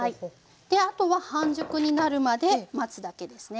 であとは半熟になるまで待つだけですね。